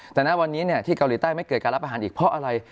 แต่ณวันนี้ที่เกาหลีใต้ไม่เกิดการรับอาหารอีกเพราะอะไร